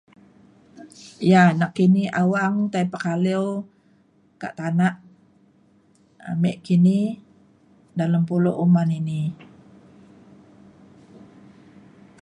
ya nakini awang tai pekaliu kak tanak ame kini dalem pulo uman ini.